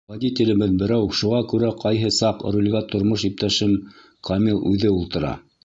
Водителебеҙ берәү, шуға күрә ҡайһы саҡ рулгә тормош иптәшем Камил үҙе ултыра.